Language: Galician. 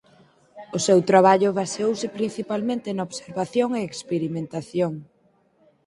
O seu traballo baseouse principalmente na observación e experimentación.